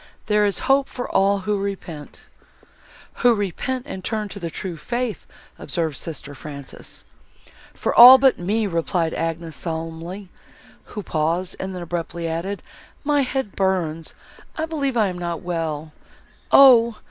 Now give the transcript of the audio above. There is hope for all who repent!" "Who repent and turn to the true faith," observed sister Frances. "For all but me!" replied Agnes solemnly, who paused, and then abruptly added, "My head burns, I believe I am not well. O!